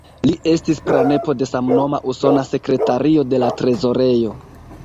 Li estis pranepo de samnoma Usona Sekretario de la Trezorejo.